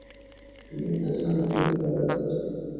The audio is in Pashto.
پیلوټ د سمو پرېکړو عادت لري.